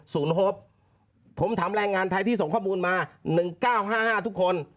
ศูนย์ผมถามแรงงานไทยที่ส่งข้อมูลมาหนึ่งเก้าห้าห้าทุกคน